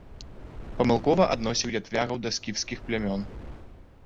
Памылкова адносіў ятвягаў да скіфскіх плямён.